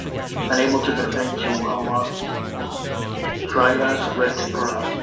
Unable to defend Chihuahua, Trias fled to Parras.